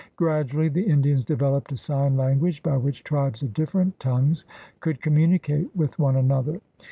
Gradually the Indians developed a sign language by which tribes of different tongues could com municate with one another.